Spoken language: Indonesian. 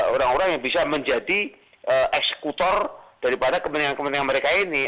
orang orang yang bisa menjadi eksekutor daripada kepentingan kepentingan mereka ini